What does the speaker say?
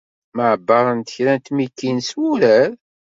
Mɛebbaṛent kra n tmikin s wurar.